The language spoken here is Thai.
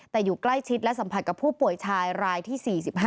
แต่อยู่ใกล้ชิดและสัมผัสกับผู้ป่วยชายรายที่๔๕